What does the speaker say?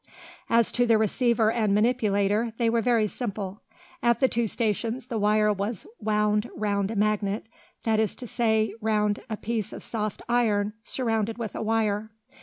As to the receiver and manipulator, they were very simple. At the two stations the wire was wound round a magnet, that is to say, round a piece of soft iron surrounded with a wire.